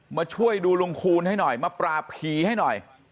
มาช่วยดูลุงคูณให้หน่อยมาปราบผีให้หน่อย